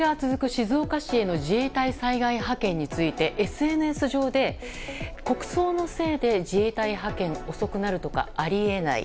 静岡市の自衛隊災害派遣についてＳＮＳ上で国葬のせいで自衛隊派遣が遅くなるとかあり得ない！